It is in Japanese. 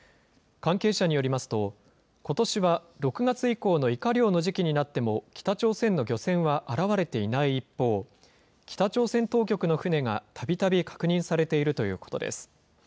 関係者によりますと、ことしは６月以降のイカ漁の時期になっても、北朝鮮の漁船は現れていない一方、北朝鮮当局の船がたびたび確認されているということです。